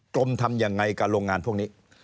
ทำยังไงกับโรงงานพวกนี้